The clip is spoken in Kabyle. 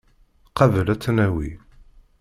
Qabel ad tt-nawi.